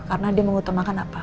karena dia mengutamakan apa